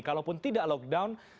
kalaupun tidak lockdown